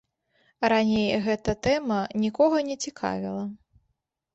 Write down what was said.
Раней гэта тэма нікога не цікавіла.